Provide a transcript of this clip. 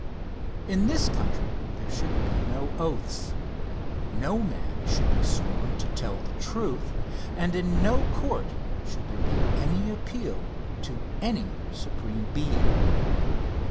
In this country there should be no oaths no man should be sworn to tell the truth, and in no court should there be any appeal to any supreme being.